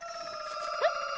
えっ？